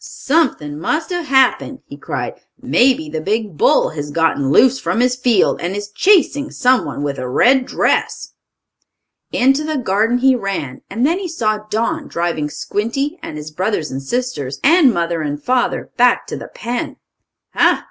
"Something must have happened!" he cried. "Maybe the big bull has gotten loose from his field, and is chasing someone with a red dress." Into the garden he ran, and then he saw Don driving Squinty, and his brothers and sisters, and mother and father, back to the pen. "Ha!